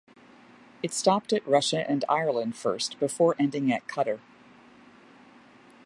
It stopped at Russia and Ireland first before ending at Qatar.